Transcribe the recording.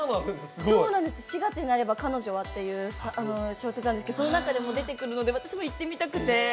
「４月になれば彼女は」という小説なんですけどその中でも出てくるので、私も行ってみたくて。